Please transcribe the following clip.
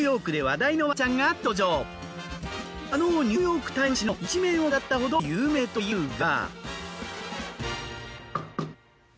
あの『ニューヨーク・タイムズ』紙の１面を飾ったほど有名というが。